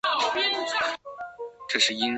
孔科特。